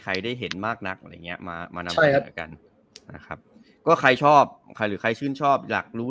ได้เห็นมากนักอะไรอย่างเงี้ยมามานำเสนอกันนะครับก็ใครชอบใครหรือใครชื่นชอบอยากรู้